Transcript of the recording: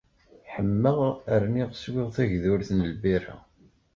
Ḥemmeɣ rniɣ swiɣ tagdurt n lbira.